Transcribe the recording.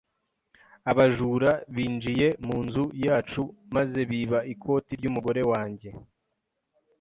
Abajura binjiye mu nzu yacu maze biba ikote ry’umugore wanjye.